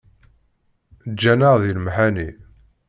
Ǧǧan-aɣ deg lemḥani